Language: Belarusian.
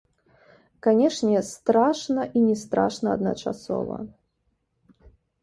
Канешне, страшна, і не страшна адначасова.